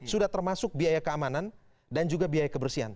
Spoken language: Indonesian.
sudah termasuk biaya keamanan dan juga biaya kebersihan